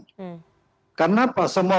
hmm karena apa semua